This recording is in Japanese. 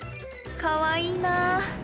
かわいいなあ